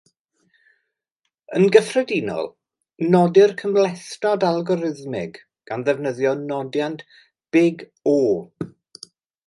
Yn gyffredinol, nodir cymhlethdod algorithmig gan ddefnyddio Nodiant Big O.